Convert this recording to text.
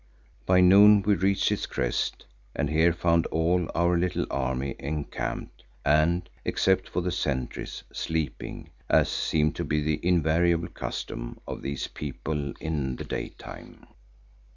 By noon we reached its crest and here found all our little army encamped and, except for the sentries, sleeping, as seemed to be the invariable custom of these people in the daytime.